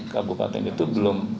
kabupaten itu belum